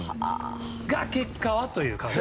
が、結果はという感じ。